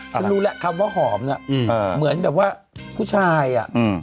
ฉันรู้แล้วคำว่าหอมน่ะเหมือนแบบว่าผู้ชายอ่ะ